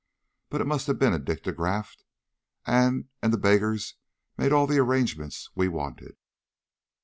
But it must have been a dictograph, and and the beggars made all the arrangements we wanted!"